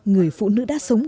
người phụ nữ đã sống